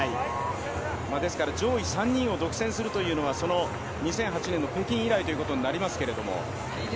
ですから上位３人が独占するというのは２００８年の北京以来ということになります。